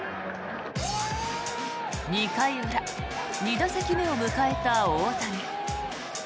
２回裏、２打席目を迎えた大谷。